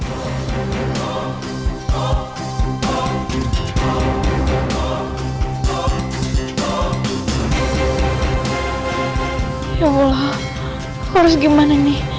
ya allah harus gimana nih